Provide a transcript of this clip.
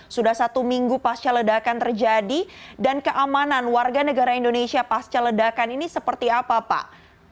sudah satu minggu pasca ledakan terjadi dan keamanan warga negara indonesia pasca ledakan ini seperti apa pak